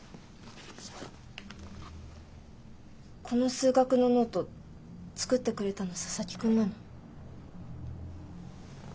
この数学のノート作ってくれたの佐々木くんなの？